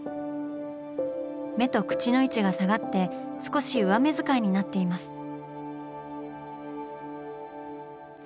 目と口の位置が下がって少し上目使いになっています。